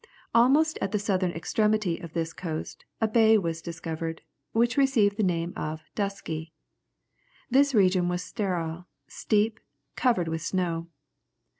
Almost at the southern extremity of this coast, a bay was discovered, which received the name of Dusky. This region was sterile, steep, covered with snow.